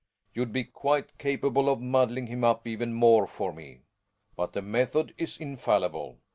You'd be quite capable of muddling him up even more for me. But the method is infallible.